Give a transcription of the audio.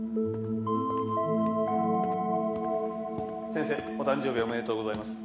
先生お誕生日おめでとうございます。